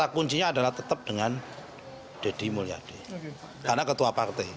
karena ketua partai